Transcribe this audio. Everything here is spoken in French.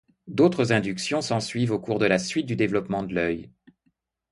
D'autres inductions s'ensuivent au cours de la suite du développement de l'œil.